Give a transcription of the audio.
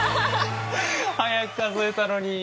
速く数えたのに！